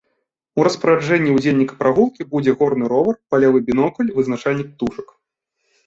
У распараджэнні ўдзельніка прагулкі будуць горны ровар, палявы бінокль, вызначальнік птушак.